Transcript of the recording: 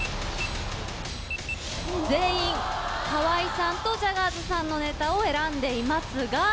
全員河合さんとジャガーズさんのネタを選んでいますが。